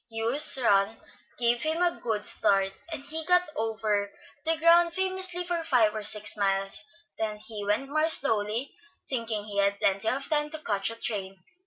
Hugh's run gave him a good start, and he got over the ground famously for five or six miles; then he went more slowly, thinking he had plenty of time to catch a certain train.